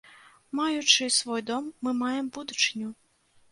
Маючы свой дом, мы маем будучыню.